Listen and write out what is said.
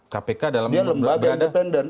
dia lembaga independen